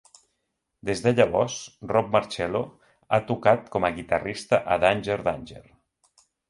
Des de llavors, Rob Marcello ha tocat com a guitarrista a Danger Danger.